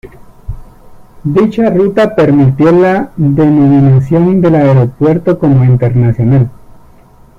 Dicha ruta permitió la denominación del aeropuerto como 'internacional'.